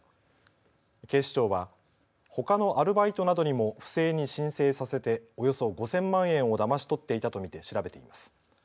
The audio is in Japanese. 警視庁はほかのアルバイトなどにも不正に申請させておよそ５０００万円をだまし取っていたと見て調べています。